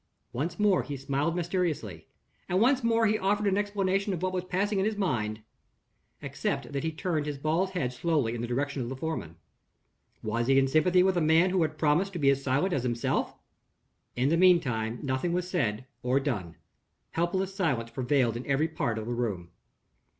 Once more he smiled mysteriously; and once more he offered no explanation of what was passing in his mind except that he turned his bald head slowly in the direction of the foreman. Was he in sympathy with a man who had promised to be as silent as himself? In the meantime, nothing was said or done. Helpless silence prevailed in every part of the room.